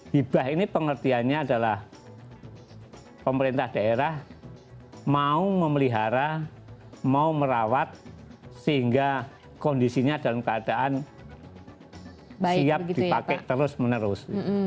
hibah ini pengertiannya adalah pemerintah daerah mau memelihara mau merawat sehingga kondisinya dalam keadaan siap dipakai terus menerus